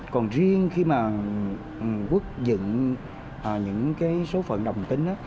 còn riêng khi mà quốc dựng những số phận đồng tính á